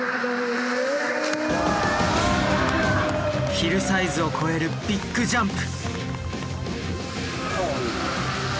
ヒルサイズを越えるビッグジャンプ！